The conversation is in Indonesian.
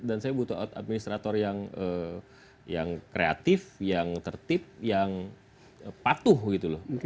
saya butuh administrator yang kreatif yang tertib yang patuh gitu loh